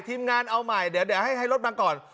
ทีมงานเอาใหม่เดี๋ยวให้รถมาก่อน